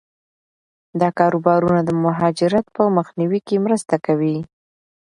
دا کاروبارونه د مهاجرت په مخنیوي کې مرسته کوي.